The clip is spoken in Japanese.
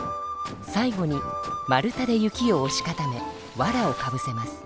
最後に丸太で雪をおし固めわらをかぶせます。